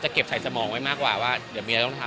หลายอย่างตรงนี้คือหมายถึงว่า